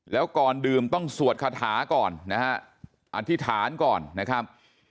แล้วก่อนดื่มต้องสวดคาถาก่อนนะฮะอธิษฐานก่อนนะครับ